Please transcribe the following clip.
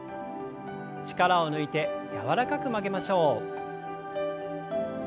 力を抜いて柔らかく曲げましょう。